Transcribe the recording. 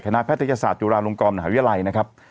คณะแพทยศาสตร์จุฬานรงค์กรมหน้าหาวิทยาลัยนะครับ